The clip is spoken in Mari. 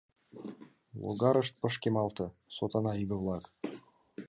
Логарышт пышкемалте, сотана иге-влак!